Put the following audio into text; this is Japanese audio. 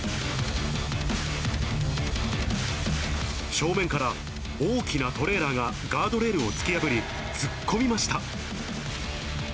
正面から大きなトレーラーがガードレールを突き破り、突っ込みました。